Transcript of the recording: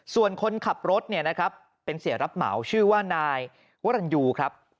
ส่วนคนขับรถเป็นเสียรับเหมาชื่อว่านายวรรณยูครับ